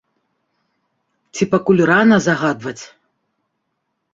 Ці пакуль рана загадваць?